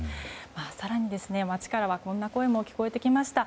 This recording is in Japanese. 更に街からはこんな声も聞かれてきました。